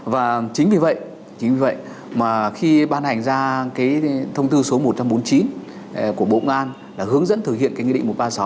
và chính vì vậy chính vì vậy mà khi ban hành ra cái thông tư số một trăm bốn mươi chín của bộ ngoan là hướng dẫn thực hiện cái nghị định một trăm ba mươi sáu